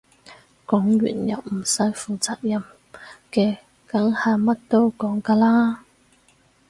講完又唔使負責嘅梗係乜都講㗎啦